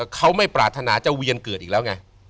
เขาไม่ปรารถนาจะเวียนเกิดอีกแล้วไง